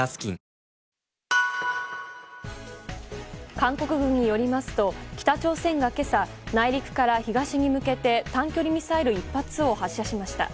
韓国軍によりますと北朝鮮が今朝内陸から東に向けて短距離ミサイル１発を発射しました。